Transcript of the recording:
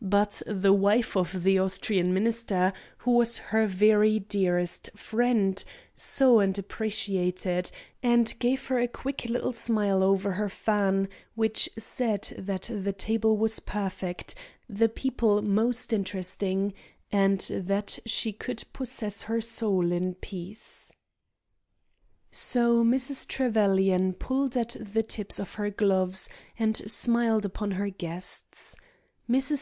But the wife of the Austrian Minister, who was her very dearest friend, saw and appreciated, and gave her a quick little smile over her fan, which said that the table was perfect, the people most interesting, and that she could possess her soul in peace. So Mrs. Trevelyan pulled at the tips of her gloves and smiled upon her guests. Mrs.